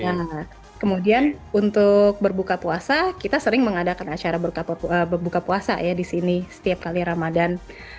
nah kemudian untuk berbuka puasa kita sering mengadakan acara berbuka puasa ya disini setiap kali ramadhan